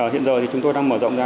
hiện giờ chúng tôi đang mở rộng ra